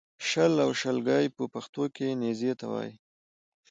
شل او شلګی په پښتو کې نېزې ته وایې